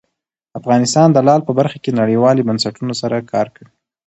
افغانستان د لعل په برخه کې نړیوالو بنسټونو سره کار کوي.